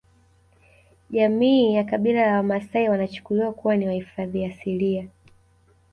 Jamii ya kabila la wamasai wanachukuliwa kuwa ni wahifadhi asilia